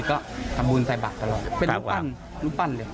ก็ทำบุญใส่บาทตลอดเป็นรูปปั้นรูปปั้นเลย